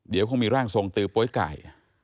เดี๋ยวคงมีร่างทรงตือโป๊ยไก่